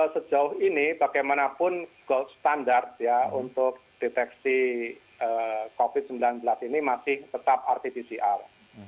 sejauh ini bagaimanapun gold standard ya untuk deteksi covid sembilan belas ini masih tetap rt pcr